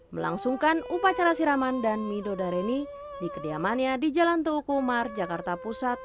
melangsungkan upacara siraman dan midodareni di kediamannya di jalan tukumar jakarta pusat